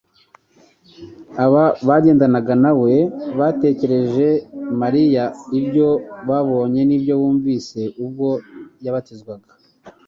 Aba bagendanaga na we batekerereje Mariya ibyo babonye n’ibyo bumvise ubwo yabatizwaga,